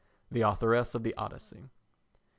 [The Authoress of the Odyssey.